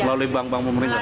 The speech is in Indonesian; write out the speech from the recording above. melalui bank bank pemerintah